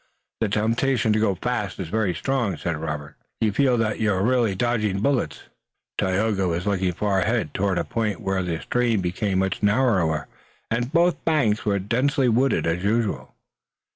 "The temptation to go fast is very strong," said Robert. "You feel then that you're really dodging bullets." Tayoga was looking far ahead toward a point where the stream became much narrower and both banks were densely wooded, as usual.